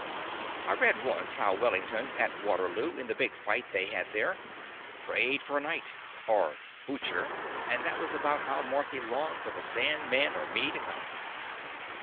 I read once how Wellington, at Waterloo, in the big fight they had there, prayed for night or Bliicher, and^ that was about how Marthy longed for the sandman or me to come.